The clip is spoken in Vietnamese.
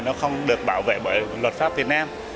nó không được bảo vệ bởi luật pháp việt nam